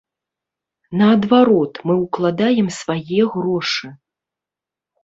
Наадварот, мы ўкладаем свае грошы.